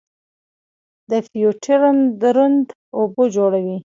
د فیوټیریم دروند اوبه جوړوي.